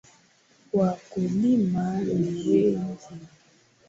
Wakulima ni wengi.